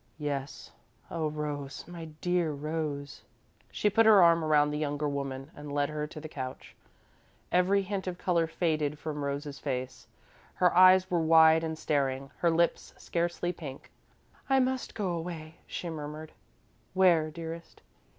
"Yes. Oh, Rose, my dear Rose!" She put her arm around the younger woman and led her to the couch. Every hint of colour faded from Rose's face; her eyes were wide and staring, her lips scarcely pink. "I must go away," she murmured. "Where, dearest?"